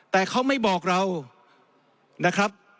แต่เขาไม่บอกเรานะครับ